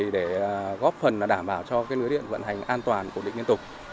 để góp phần đảm bảo cho lưới điện vận hành an toàn ổn định liên tục